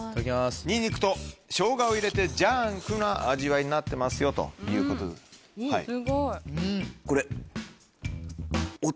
ニンニクとショウガを入れてジャンクな味わいになってますよということです。